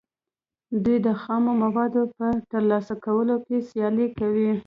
دوی د خامو موادو په ترلاسه کولو کې سیالي کوي